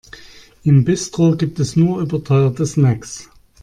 Im Bistro gibt es nur überteuerte Snacks.